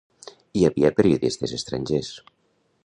Hi havia periodistes estrangers